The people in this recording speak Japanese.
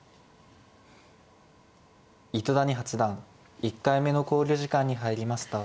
糸谷八段１回目の考慮時間に入りました。